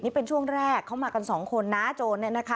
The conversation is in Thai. นี่เป็นช่วงแรกเขามากันสองคนนะโจรเนี่ยนะคะ